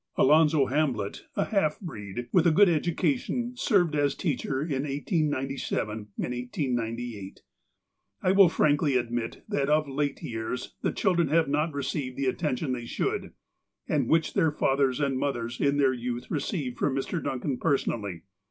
Alonzo Hamblett, a half breed, with a good education, served as a teacher in 1897 and 1898. I will frankly admit that of late years the children have not received the attention they should, and which their fathers and mothers in their youth received from Mr. Duncan personally.